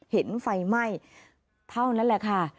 เห็นไฟไหม้เท่านั้นแหละค่ะ